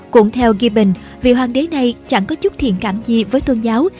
cũng theo gibbon vị hoàng đế này chẳng có chút thiện cảm gì với tôn giáo